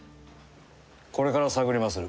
これから探りまする。